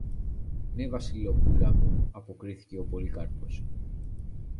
Ναι, Βασιλοπούλα μου, αποκρίθηκε ο Πολύκαρπος.